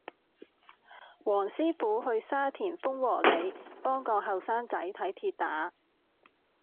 黃師傅去沙田豐禾里幫個後生仔睇跌打